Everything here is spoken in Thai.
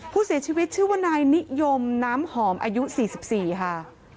ผู้เสียชีวิตชื่อว่านายนิยมน้ำหอมอายุ๔๔ค่ะ